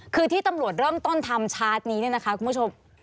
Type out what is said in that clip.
คือที่ตำรวจเริ่มต้นทำชาร์จนี้เนี่ยนะคะคุณผู้ชม